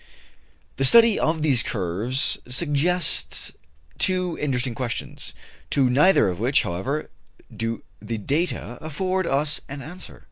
The study of these curves suggests two interesting questions, to neither of which, however, do the data afford us an answer.